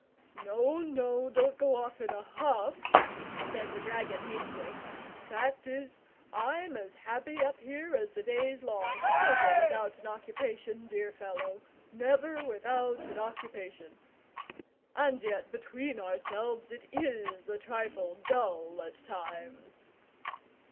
"No, no, don't go off in a huff," said the dragon, hastily; "fact is, I'm as happy up here as the day's long; never without an occupation, dear fellow, never without an occupation! And yet, between ourselves, it IS a trifle dull at times."